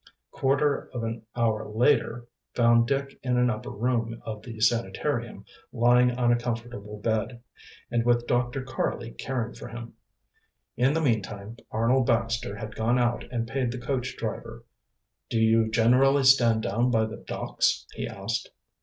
Quarter of an hour later found Dick in an upper room of the sanitarium, lying on a comfortable bed, and with Dr. Karley caring for him. In the meantime Arnold Baxter had gone out and paid the coach driver. "Do you generally stand down by the docks?" he asked.